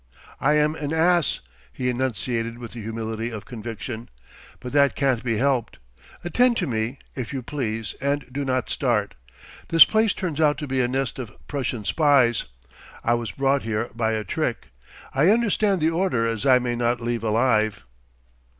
"I am an ass," he enunciated with the humility of conviction. "But that can't be helped. Attend to me, if you please and do not start. This place turns out to be a nest of Prussian spies. I was brought here by a trick. I understand the order is I may not leave alive."